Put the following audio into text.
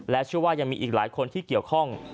เชื่อว่ายังมีอีกหลายคนที่เกี่ยวข้อง